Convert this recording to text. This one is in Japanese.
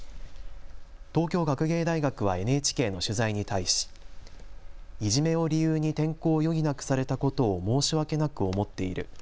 東京学芸大学はＮＨＫの取材に対しいじめを理由に転校を余儀なくされたことを申し訳なく思っている。